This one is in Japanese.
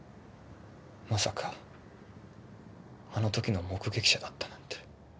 まさかあの時の目撃者だったなんて。